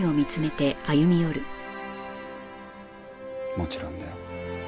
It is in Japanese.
もちろんだよ。